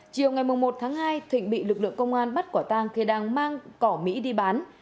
chiều ngày một tháng hai thịnh bị lực lượng công an bắt quả tang khi đang mang cỏ mỹ đi bán